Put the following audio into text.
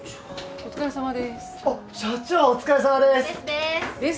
お疲れさまです。です